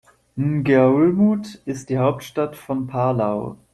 Ngerulmud ist die Hauptstadt von Palau.